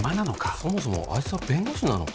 そもそもあいつは弁護士なのか？